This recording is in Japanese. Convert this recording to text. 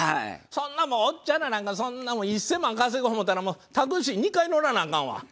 そんなもうおっちゃんらなんかそんなもう１０００万稼ごう思うたらタクシー２回乗らなアカンわ。